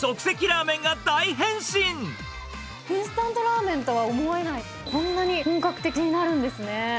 インスタントラーメンとは思えない、こんなに本格的になるんですね。